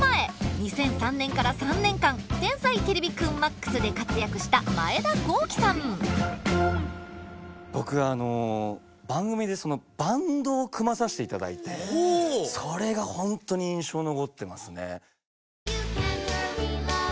２００３年から３年間「天才てれびくんＭＡＸ」で活躍した僕は番組でバンドを組まさして頂いてそれがほんとに印象残ってますね。